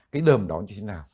cái đờm đó như thế nào